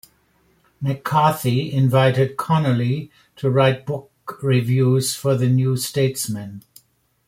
MacCarthy invited Connolly to write book reviews for the "New Statesman".